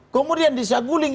kemudian di saguling